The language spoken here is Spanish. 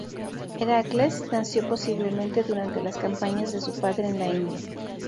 Heracles nació posiblemente durante las campañas de su padre en la India.